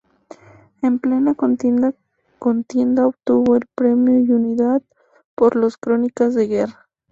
En plena contienda contienda obtuvo el Premio Unidad por sus crónicas de guerra.